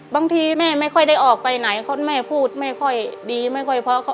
บางทีแม่ไม่ค่อยได้ออกไปไหนคนแม่พูดไม่ค่อยดีไม่ค่อยเพราะ